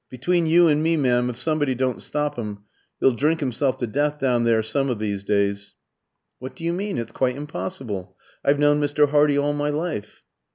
"Between you and me, m'm, if somebody don't stop 'im, 'ell drink 'imself to death down there some o' these days." "What do you mean? It's quite impossible I've known Mr. Hardy all my life."